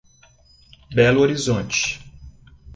Belo Horizonte